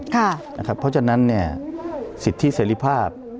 เพราะฉะนั้นสิทธิเสรีภาพ